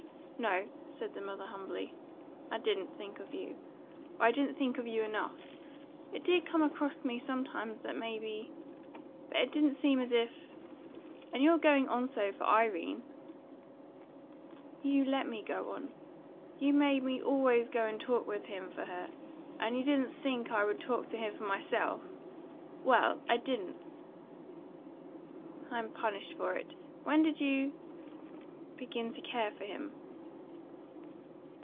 "No," said the mother humbly. "I didn't think of you. Or I didn't think of you enough. It did come across me sometimes that may be But it didn't seem as if And your going on so for Irene " "You let me go on. You made me always go and talk with him for her, and you didn't think I would talk to him for myself. Well, I didn't!" "I'm punished for it. When did you begin to care for him!"